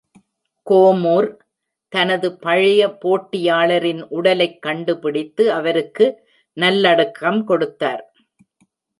கோமுர் தனது பழைய போட்டியாளரின் உடலைக் கண்டுபிடித்து, அவருக்கு நல்லடக்கம் கொடுத்தார்.